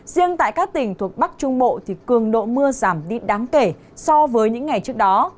riêng tại các tỉnh thuộc bắc trung bộ thì cường độ mưa giảm đi đáng kể so với những ngày trước đó